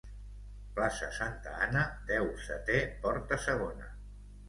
Plaça santa Anna, deu, setè porta segona.